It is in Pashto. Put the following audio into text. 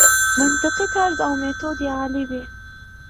منطقي طرز او میتود یې عالي وي.